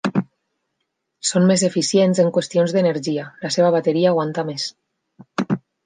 Són més eficients en qüestions d'energia; la seva bateria aguanta més.